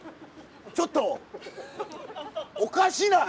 ちょっとおかしない？